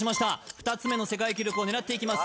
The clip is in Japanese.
２つ目の世界記録を狙っていきます